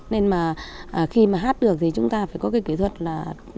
nên khi mà hát được thì chúng ta phải có kỹ thuật là